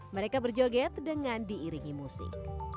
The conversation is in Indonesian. mereka berjoget dengan diiringi musik